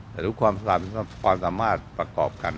แต่ทุกความสามารถประกอบกัน